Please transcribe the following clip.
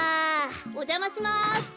おじゃまします。